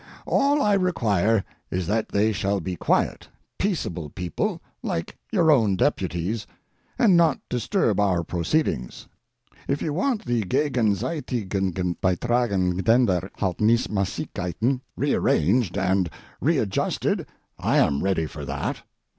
All I require is that they shall be quiet, peaceable people like your own deputies, and not disturb our proceedings. If you want the Gegenseitigengeldbeitragendenverhaltnismassigkeiten rearranged and readjusted I am ready for that.